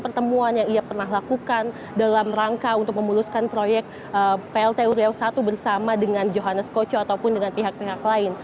pertemuan yang ia pernah lakukan dalam rangka untuk memuluskan proyek plt uriau i bersama dengan johannes koco ataupun dengan pihak pihak lain